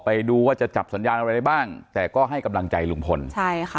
ไปดูว่าจะจับสัญญาณอะไรได้บ้างแต่ก็ให้กำลังใจลุงพลใช่ค่ะ